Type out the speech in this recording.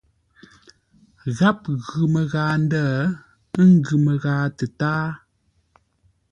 Gháp ghʉ məghaa ndə̂, ə́ ngʉ̌ məghaa tətáa.